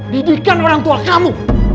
didikan orang tua kamu